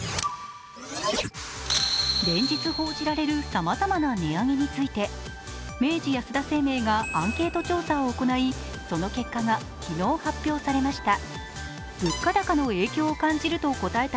連日報じられるさまざまな値上げについて明治安田生命がアンケート調査を行いその結果が昨日発表されました。